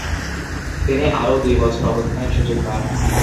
তিনি আরও দুই বছর অবস্থানের সুযোগ পান।